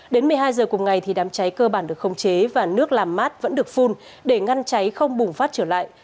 đến một mươi hai giờ cùng ngày đám cháy cơ bản được khống chế và nước làm mát vẫn được phun để ngăn cháy không bùng phát trở lại